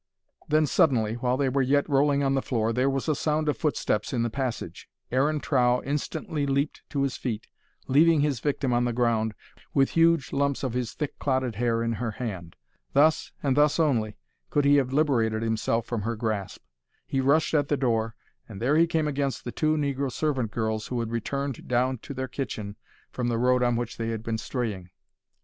Then suddenly, while they were yet rolling on the floor, there was a sound of footsteps in the passage. Aaron Trow instantly leaped to his feet, leaving his victim on the ground, with huge lumps of his thick clotted hair in her hand. Thus, and thus only, could he have liberated himself from her grasp. He rushed at the door, and there he came against the two negro servant girls who had returned down to their kitchen from the road on which they had been straying.